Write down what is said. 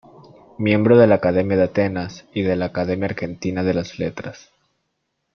Miembro de la Academia de Atenas y de la Academia Argentina de las Letras.